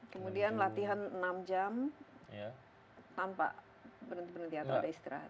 kemudian latihan enam jam tanpa penelitian atau ada istirahat